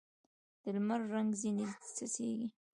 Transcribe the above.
د لمر رنګ ځیني څڅېږي